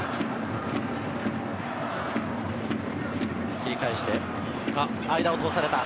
切り替えして、間を通された。